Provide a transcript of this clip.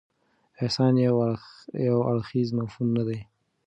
احسان یو اړخیز مفهوم نه دی.